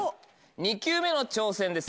２球目の挑戦です。